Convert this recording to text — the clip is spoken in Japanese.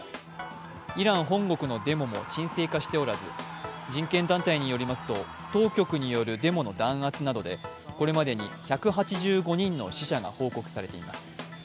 イラン本国のデモも沈静化しておらず、人権団体によりますと当局によるデモの弾圧などでこれまでに１８５人の死者が報告されています。